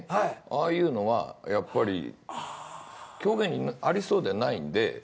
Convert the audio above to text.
ああいうのはやっぱり狂言にありそうでないんで。